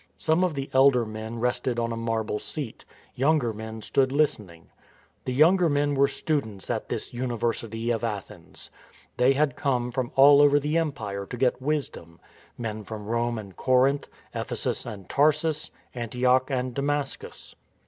Some of the elder men rested on a marble seat; younger men stood listening. The younger men were students at this University of 218 STORM AND STRESS Athens. They had come from all over the Empire to get wisdom — men from Rome and Corinth, Ephesus and Tarsus, Antioch and Damascus.